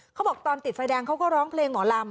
เขาบอกตอนติดไฟแดงเขาก็ร้องเพลงหมอลำ